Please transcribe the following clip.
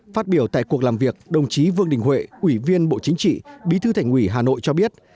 phát biểu tại cuộc làm việc đồng chí vương đình huệ ủy viên bộ chính trị bí thư thành ủy hà nội cho biết